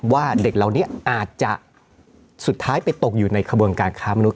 ว่าเด็กเหล่านี้อาจจะสุดท้ายไปตกอยู่ในขบวนการค้ามนุษ